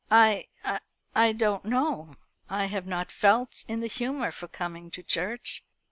"I I don't know. I have not felt in the humour for coming to church.